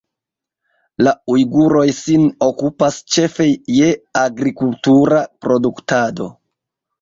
La ujguroj sin okupas ĉefe je agrikultura produktado.